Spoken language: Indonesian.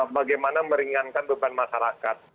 bagaimana meringankan beban masyarakat